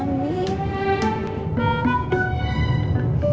kamu itu yang terbaik buat aku